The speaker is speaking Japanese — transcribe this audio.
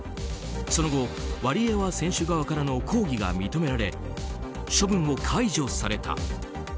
その後、ワリエワ選手側からの抗議が認められ処分を解除された。